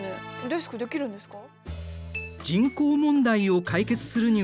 デスクできるんですか？